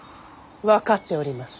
分かっております。